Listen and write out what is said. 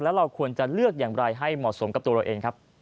แล้วเราควรจะเลือกอย่างไรให้เหมาะสมกับตัวเราเองครับ